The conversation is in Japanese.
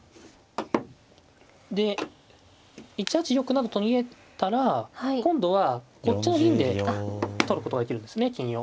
で１八玉などと逃げたら今度はこっちの銀で取ることができるんですね金を。